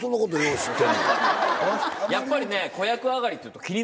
やっぱりね。